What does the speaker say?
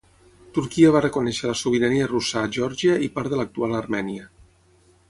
Turquia va reconèixer la sobirania russa a Geòrgia i part de l'actual Armènia.